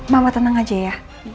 mama tenang aja ya